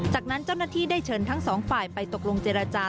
จากนั้นเจ้าหน้าที่ได้เชิญทั้งสองฝ่ายไปตกลงเจรจา